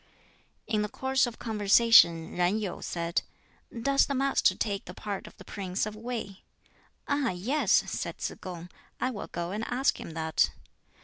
In the course of conversation Yen Yu said, "Does the Master take the part of the Prince of Wei?" "Ah yes!" said Tsz kung, "I will go and ask him that."